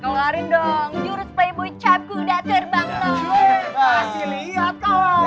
kelarin dong jurus playboy capco udah terbang dong